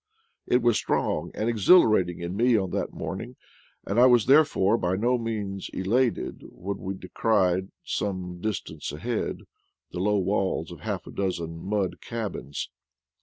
It was strong and exhilarating in me on that morning; and I was therefore by no means elated when we descried, some distance ahead, the low walls of half a dozen mud cabins.